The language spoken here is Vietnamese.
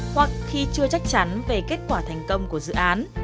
hoặc khi chưa chắc chắn về kết quả thành công của dự án